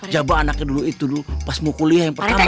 jabal anaknya dulu itu dulu pas mau kuliah yang pertama